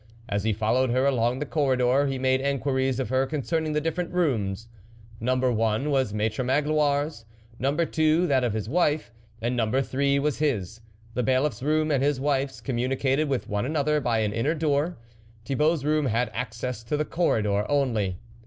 As he fol lowed her along the corridor, he made en quiries of her concerning the different rooms. Number one was Maitre Magloire's, number two that of his wife, and num ber three was his. The Bailiff's room, and his wife's, communicated with one another by an inner door ; Thibault's room had access to the corridor only.